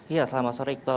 iya selamat sore iqbal